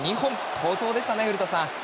好投でしたね、古田さん。